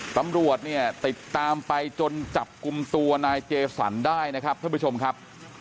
ตำรวจเนี่ยติดตามไปจนจับกลุ่มตัวนายเจสันได้นะครับท่านผู้ชมครับ